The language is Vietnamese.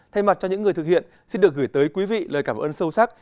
thay mặt cho những người thực hiện xin được gửi tới quý vị lời cảm ơn sâu sắc